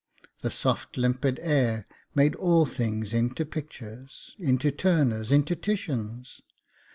The soft limpid air made all things into pictures, into Turners, into Titians.